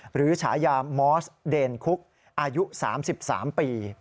หรือฉายามเดนคุกอายุ๓๓ปี